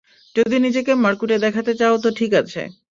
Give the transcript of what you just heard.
যদি নিজেকে মারকুটে দেখাতে চাও, তো ঠিক আছে।